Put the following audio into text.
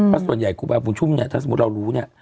เพราะส่วนใหญ่ครูบาบุญชุมเนี่ยถ้าสมมุติเรารู้เนี่ย